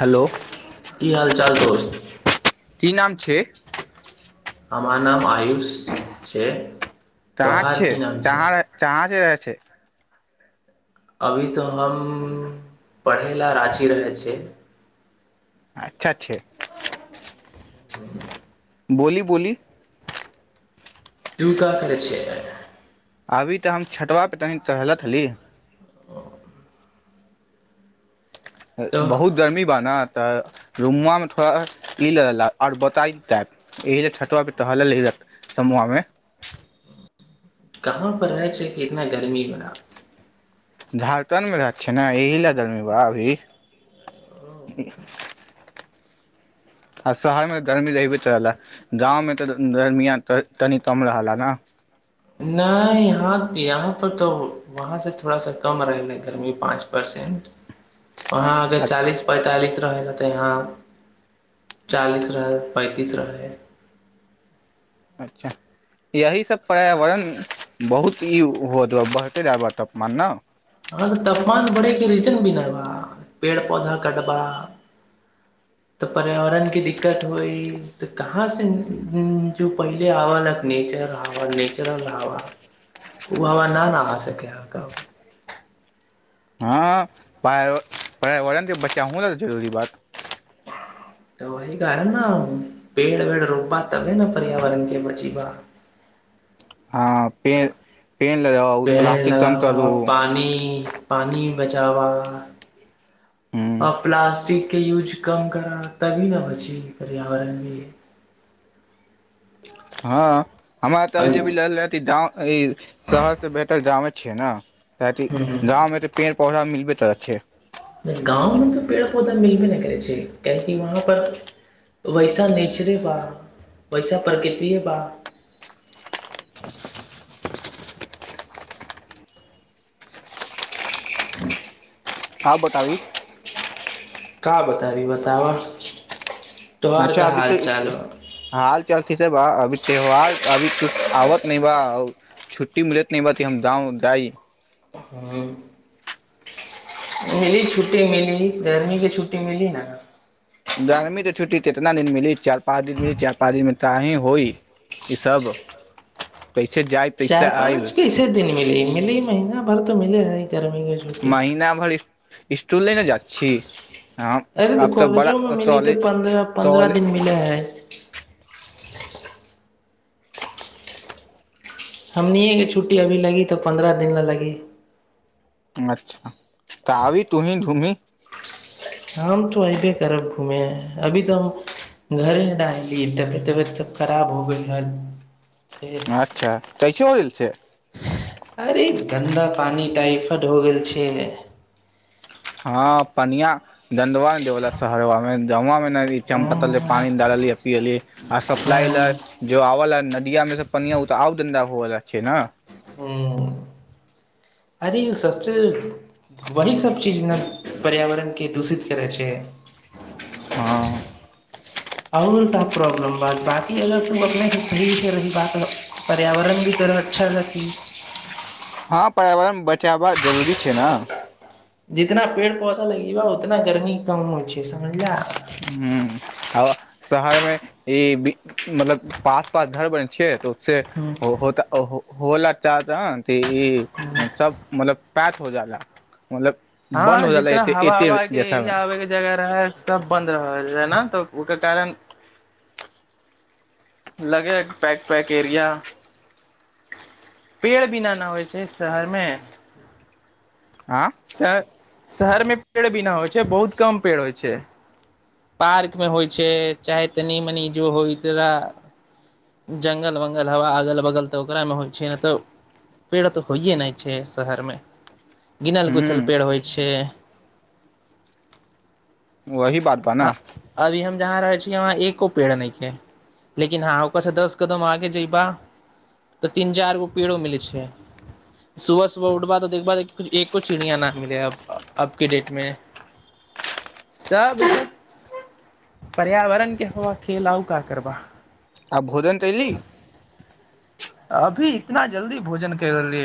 [inaudible] hello की हाल चाल दोस्त की नाम छै हमर नाम आयुष छै तहाँ तोहार छै की नाम तहाँ तहाँ [unintelligible] अभी तऽ हम पढ़य लेल राची रहै छ अच्छा छै [inaudible] बोली बोली तु का करे छे अभी तऽ हम छतवापर तनि टहलथि ही तो बहुत गर्मी बान तऽ रुमुआमे थोड़ा ई लक आओर बोता टाइप एहि ल छठआ प टहलल समुआमे कहाँ पर रहै छै कि इतना गर्मी बड़ा झारखण्डमे रह छै ने एहि लए दी बा अभी आ शहरमे तऽ गर्मी रहहिबे करलए गाँवमे तऽ गर्मियाँ तनि कम रहलए ने नहि यहाँ यहाँ पर तऽ वहाँ से थोड़ा सा कम रहलै गरमी पाँच परसेंट वहा अग चालीस पैंतालिस रहे त यहाँ चालिस रहल पैन्तिस रहल अच्छा यही सब पर्यावरण बहुत ई होत ना बढ़ते जाब तापमान ने हँ त तफमान बढ़ेके रीजन भी नहि बा पेड़ पौधा कटबा तऽ पर्यावरण क दिक्कत होई तऽ कहाँ से जो पहिले आव लक नेचर हवा नेचुरल हवा ओ हवा न न सक अहाँके प पर्यावरण के बच्चाहु न तऽ जरूरी बात तऽ वहिी कह है न पेड़ वेड़ रोबबा तबे ने पर्यावरण के बचीबा हँ पे पेड़ लगाउ पेड़ प्लास्टिक तम तरू बचाब ह आ प्लासटिक के यूज कम करा तभी न बची पर्यावरण मे हँ हमरा तभी जे भी ल रह गव शहर से बैठल गवमे छै ना क गाँव मे ते पेड़ पौधा मिल बे तऽ छै गाँवमे तऽ पेड़ पौधा मिलबे नहि करै छै काहेकि वहाँपर वैसा नेचरे बा वैसा प्रकृतिए बा आब बताबी कहाँ बताबी बतावह अच्छा अभी तऽ हाल चलथ स अभी त्यौहार अभी ुछ आबत नहि बा छुट्टी मिलत नहि बा त हम जा जाइ ह मिली छुट्टी मिली गर्मी के छुट्टी मिली ने गरमी के छुट्टी केतना दिन मिल चार पाँच दिनिली चार पाँ दमे ताहहिी होइ ई सब पैसे जायब पैसे चारि आयब पाँच कैसे दिन मिल मिली महींना भर तऽ मिले है गर्मी के छुटी स्टूल लइने जा छी हम अरे तऽ आब बड़ा कॉलेजोमे मिली तऽ टॉले पन्द्रह पन्द्रह टॉले दिन मिलै है हमनिएके छुट्टी अभी लगी तऽ पन्द्रह दिन ल लगी अच्छा तऽ आबी तूही घूमी हम तो अऐबे करब घूमे अभी तऽ हम घरे ना अयली तबियत तबियत सब खराब हो गेल रहल अच्छा कैसे बोलल छै अरे गन्दा पानि टाइफड हो गेल छै ह पनिया दवा ने देवाल शहरबा मे ज मे ई चमपतल पानी डाललियै पली आ सप्लाइ ल जो आव ल नदिया मे पिया तऽ आब धधा होवला छै ने हूँ अरे सभसँ वही सभ चीज जे ने पर्यावरणके दूषित करै छै हँ आओर त प्रॉब्लम बात बकी अगर तू अपनेसँ सरीरसँ रहही बात पर्यावरण भी तोह अच्छा रहती बचावा जरूरी छै ने जितना पेड़ पौधा लगे बा उतना गर्मी कम हो छैै समझ ल ह आ शहर मे ई मतलब पास पास घर बन छ त से आहो तऽ ओ होला चारदन त ई सब मतलब पाँच हो जाला मतलब बन्द हँ हो जाला जितना एते हवा एते हवा के जैसामे एरिया आबे के जगह रहैै सब बंद रह ने तऽ ओकर कारण लगे पैक पैक एरिया पेड़ भी नहि नहि होइ छै शहरमे आ चर शहर मे पेड़ भी नहि होइ छै बहुत कम पेड़ होइ छै पार्क मे होइ छै चाहे तनी मनी जो होइ तोरा जङ्गल वङ्गल हवा अगल बगल तऽ ओकरामे होइ छै नहि तऽ पेड़ तऽ होइए नहि छै शहरमे गिनल हूँ गुछल पेड़ होइ छै वही बात बा न अभी हम जहाँ रहे छी वहाँ एको पेड़ न के लेकिन ह ओकर स दस कदम आगे जबा तऽ तीन चार गो पेड़ो मिले छै सुबह सुबह उठबा त देखबा एको चिड़िया न मिले अब के डेट मे सब पर्यावरण के हो अकेलउ का करबा आब भोजन तली अभी इतना जल्दी भोजन करियै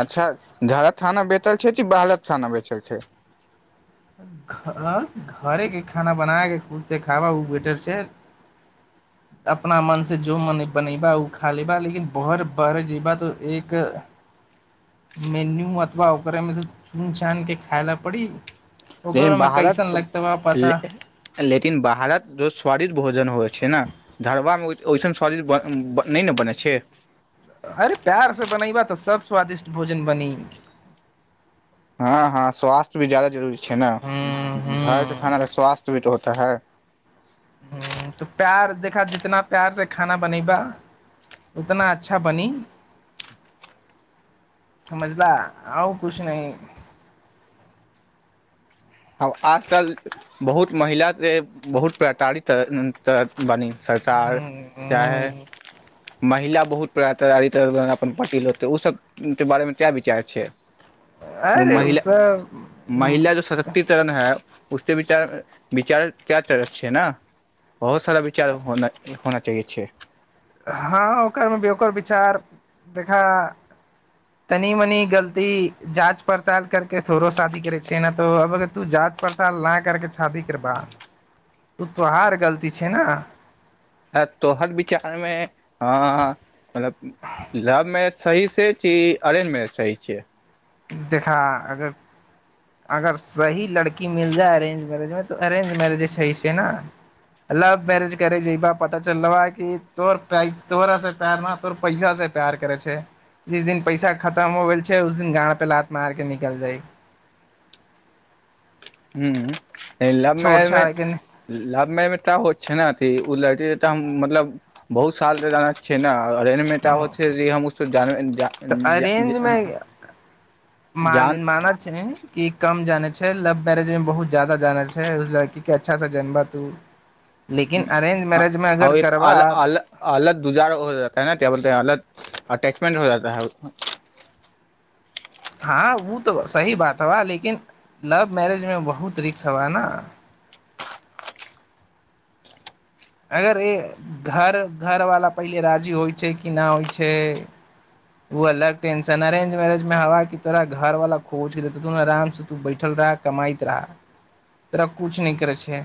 अच्छा छारा थाना बेतल छै कि बालक थाना बेचल छै घ घरेके खाना बना कऽ खुदसँ खबह ओ बेटर छै अपना मनसँ जो मन बनेबह ओ खा लेबह लेकिन बर बर जयबह तऽ एक मेन्यू अथबा ओकरे मे सँ चुनि चान कऽ खाय लए पड़ी लेकिन ओकरो में बहारत कैसन लगते बा पता लेेकिन बहारत जो स्वादिष्ट भोजन होइ छै छै ने धरबामे ओहिसन शरीर ब नहि ने बनै छै अरे प्यार से बनयबा तऽ सब स्वादिष्ट भोजन बनी हँ हँ स्वास्थ्यी जादा जरूरी छै छै ने हूं घर त थाना स्वास्थ्य भी तऽ होत इ त है ह तऽ प्यार देखा जितना प्यार से खाना बनेबा उतना अच्छा बनी समझला आउ कुछ न आ आजकल बहुत महिला के बहुत पटारित बनी सरकार चाहे महिला बहुत प्रतारित अपन पति लोग के ओसभ के बारे मे तै विचार छै जो अरे उ महिला सब महिला जो सशक्तिकरण है उ विचार विचार क्य तर छै ने बहुत सारा विचार होना चाही छै हँ ओकरमेी ओकर विचार देखा तनि मनि गलती जाँच पड़ताल करके थोड़ो शादी करै छै ने तऽब तू जाँच पड़ताल नहि करके शादी करबा तू तोहार गलती छै ने ह तो हर विचारमे अ मतलब लव मैरेज सही छै किी अरेज मैरेज सही छै देखा अगर अगर सही लड़की मिल जाय अरेंज मैरेज मे त अरेंज मैरेज जे छै ने लव मैरेज करै पता चला तो तोहरा प्यार तोर पैसा से प्यार करे छै जिस दिन पैसा खतम हो गेल छै उस दिन गारि पे लात मारके निकल जाइ हू लव छोड़ छाड़ के मैरेज मे का होत छै ने ओ लड़की ऽ हम मतलब बहुत साल से जाना छै ने अरेंज मे का होय छै जे हम जा तऽ अरेंज जा मे मान जान माना छै कि कम जाने लव मैरेज में बहुत जाददा जानल छै उस लड़की के अच्छा से जनबह तू लेकिन अरेंज ह मैरेज मे अगर करबा अल अल अलग दुजारा हो त ब अलग अटैचमेंट हो जाता है हँ ओ तऽ सही बात हा लेकिन लव मैरेजमे बहुत रिक्स हवा न अगर घर घर घरवला पहिले राजी होइ छै कि नहि होइ छै ओ अलग टेंशन अरेंज मैरेज मे हा तोरा घर वाला खोज आराम से तू बैठल रह कमाइत रह तोरा कुछ नहि करै छै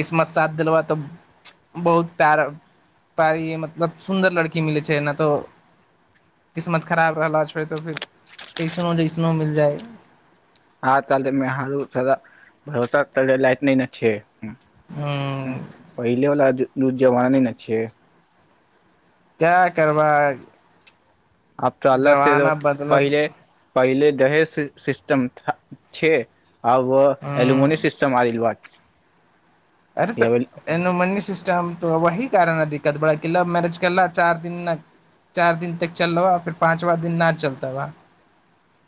किसमत साथ देलब तऽ बहुत पार पार मतलब सुन्दर लड़की मिलै छै नहि तो किस्मत खराब रहला छै तऽ फेर कैसनो जैसनो मिल जाय आज कल के मेहरारु साला भरोसा करे लायक नै नै छै ह पहिले वला ज दू जबान नहि ने छै क्या करबै आब तऽ अलग से पहिले पहिले दहेज सिस्टम छै आब ह एलूमोनियम सिटम आयल बा अर त एना मन श त वही कारण है दिक्कत बड़ा कि लव मैरेज करला चार दिन न चार दिन तक चल रहा हा फर पाँचवा दिन न चलता बा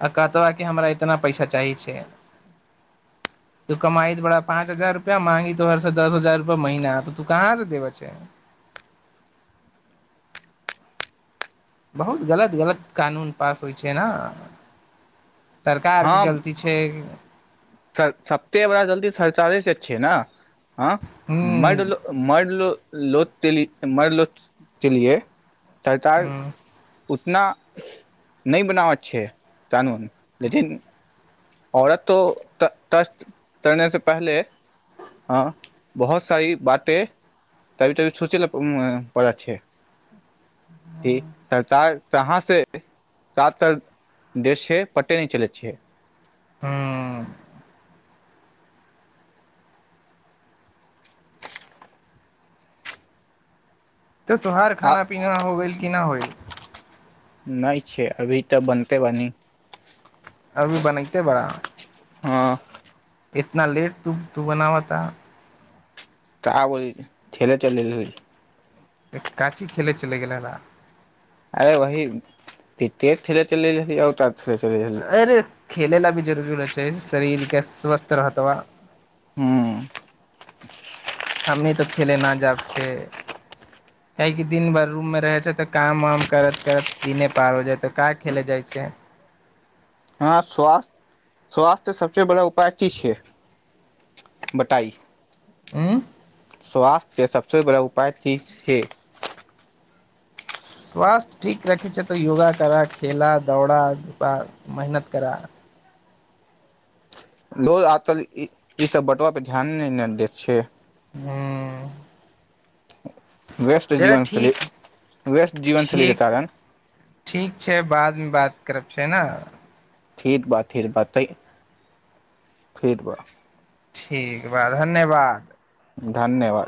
आ कहत कि हमरा इतना पैसा चाही छै तू कमाई त बड़ा पाँच हजार रुपआ मांगी तोहर से दस हजार रुपआ महीना त तू कहाँ से देबे छै बहुत गलत गलत कानून पास होइ छै ने सरकार के गलती छै स सप्ते बड़ा जल्दी सरचारे से छै ना आँ हूँ मर्द मर्द लोग लोग के लिये मर्द लोग के लिये सरकार हूँ उतना नहि बनावत छै कानून लेकिन औरत तट तरने से पहले ह बहुत सारी बाते तनी तनी सोचै पड़ैत छै की सरकार कहाँ सँ जादातर देश छै पटे नहि चलैत छै हँ तऽ तोहार आ खाना पीना हो गेल कि न होइ [inaudible] नहि छै अभी तऽ बनते बनी अभी बनैते बड़ा हँ इतना लेट तू तू बनाव त का बोल ठेले चल का चीज खेलय चलि गेलै हा अरे वही क्रिकेट खेलै चली गेल रहली आओर का खैलेत रहली खेलै ला भी जरूरी छै शरीर के स्वस्थ रहत बा हँ हमनी तऽ खेलय नहि जायब छै काहे कि दिन भरि रूम मे रहै छै तऽ काम वाम करैत करैत दिने पार हो जाइ तऽ का खेलय जाइ छै हँ स्वास्थ स्वास्थ्य सबसँ बड़ा उपाय की छैय बताइ उँ स्वास्थ्यके सभसँ बड़ा उपाय की छै स्वास्थ्य ठीक रखै छै तऽ योगा करा खेला दौड़ह आ मेहनत करह लो आज तल ईसभ बँतबा पर त ध्यान नहि ने दैत छै हँ व्यस््त जीवनशैली व्यस््त जीवनशैली के ठीक कारण ठीक छै बादमे बात करब छै न ठीक बा ठीक बा त ठीक बा ठीक बा धन्यवाद धन्यवाद